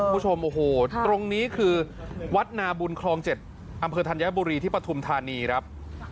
คุณผู้ชมโอ้โหตรงนี้คือวัดนาบุญคลอง๗อำเภอธัญบุรีที่ปฐุมธานีครับ